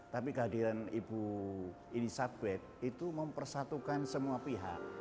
tapi kehadiran ibu elisabeth itu mempersatukan semua pihak